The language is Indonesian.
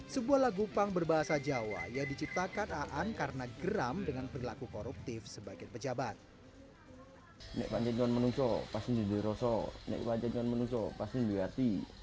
sebuah lagu pang berbahasa jawa yang diciptakan aan karena geram dengan perilaku koruptif sebagai pejabat